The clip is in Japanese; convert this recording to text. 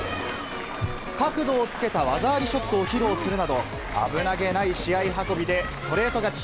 角度をつけた技ありショットを披露するなど、危なげない試合運びで、ストレート勝ち。